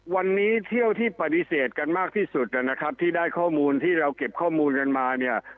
วันนี้เที่ยวที่ปฏิเสธกันมากที่สุดนะครับที่ได้ข้อมูลที่เราเก็บข้อมูลกันมาเนี่ย